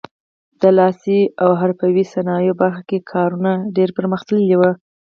د لاسي او حرفوي صنایعو برخه کې کارونه ډېر پرمختللي وو.